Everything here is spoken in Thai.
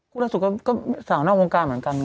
คุณล่าสุดก็สาวนอกวงการเหมือนกัน